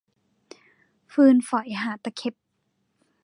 ฟื้นฝอยหาตะเข็บ